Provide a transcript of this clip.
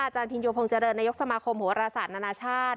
อาจารย์พินโยภงเจริญนายกสมาคมโหวราศาสตร์นานาชาติ